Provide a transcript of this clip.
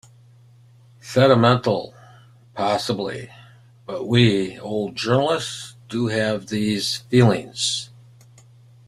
Sentimental, possibly, but we old journalists do have these feelings.